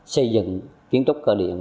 xây dựng kiến trúc cỡ điện